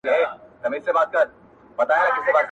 توپونو وراني کړلې خوني د قلا برجونه-